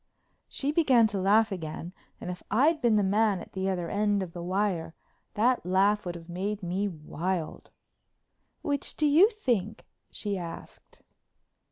She began to laugh again, and if I'd been the man at the other end of the wire that laugh would have made me wild. "Which do you think?" she asked.